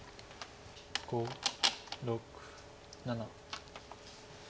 ５６７。